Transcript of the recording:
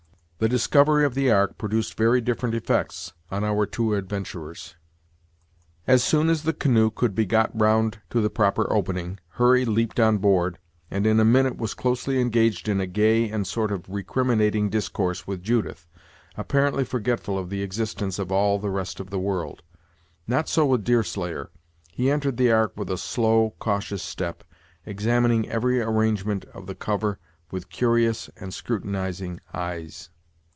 The discovery of the ark produced very different effects on our two adventurers. As soon as the canoe could be got round to the proper opening, Hurry leaped on board, and in a minute was closely engaged in a gay, and a sort of recriminating discourse with Judith, apparently forgetful of the existence of all the rest of the world. Not so with Deerslayer. He entered the ark with a slow, cautious step, examining every arrangement of the cover with curious and scrutinizing eyes.